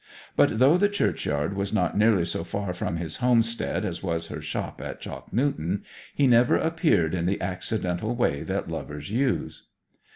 But though the churchyard was not nearly so far from his homestead as was her shop at Chalk Newton, he never appeared in the accidental way that lovers use.